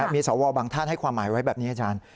มีสวบางท่านให้ความหมายไว้แบบนี้อาจารย์